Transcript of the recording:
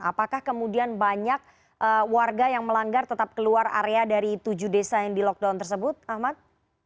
apakah kemudian banyak warga yang melanggar tetap keluar area dari tujuh desa yang di lockdown tersebut ahmad